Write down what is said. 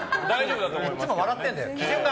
いつも笑ってるんだよ。